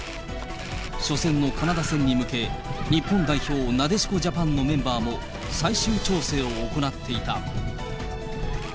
初戦のカナダ戦に向け、日本代表、なでしこジャパンのメンバーも最終調整を行っていた。